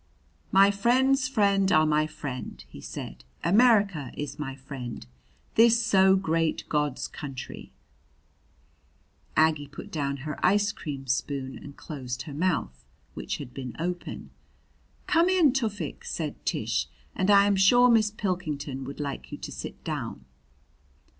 "My friend's friend are my friend," he said. "America is my friend this so great God's country!" Aggie put down her ice cream spoon and closed her mouth, which had been open. "Come in, Tufik," said Tish; "and I am sure Miss Pilkington would like you to sit down."